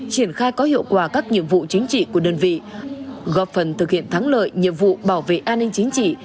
triển khai có hiệu quả các nhiệm vụ chính trị của đơn vị góp phần thực hiện thắng lợi nhiệm vụ bảo vệ an ninh chính trị